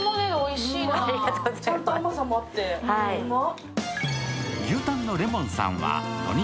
ちゃんと甘さもあって、うまっ。